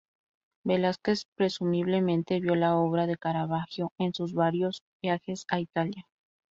Velázquez presumiblemente vio la obra de Caravaggio en sus varios viajes a Italia.